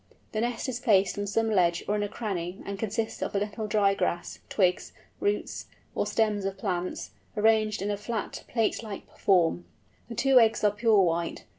The nest is placed on some ledge or in a cranny, and consists of a little dry grass, twigs, roots, or stems of plants, arranged in a flat plate like form. The two eggs are pure white.